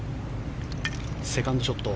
セカンドショット。